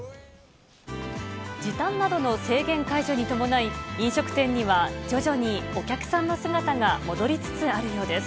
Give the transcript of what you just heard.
時短などの制限解除に伴い、飲食店には徐々にお客さんの姿が戻りつつあるようです。